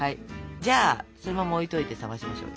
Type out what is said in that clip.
じゃあそのまま置いといて冷ましましょう。